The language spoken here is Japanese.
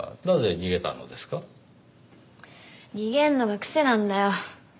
逃げるのが癖なんだよ。